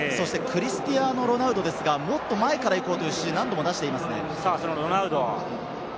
そしてクリスティアーノ・ロナウドですが、もっと前から行こうという指示を何度も出しています。